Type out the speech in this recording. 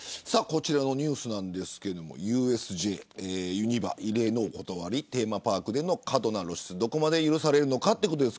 こちらのニュースですがＵＳＪ、ユニバ異例のお断りテーマパークでの過度な露出どこまで許されるのか。